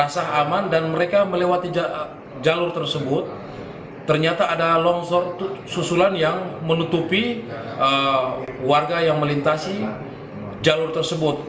susulan yang menutupi warga yang melintasi jalur tersebut